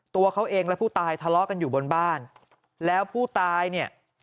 ตัวเขาเองและผู้ตายทะเลาะกันอยู่บนบ้านแล้วผู้ตายเนี่ย